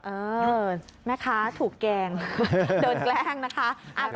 เออแม่ค้าถูกแกล้งโดนแกล้งนะคะ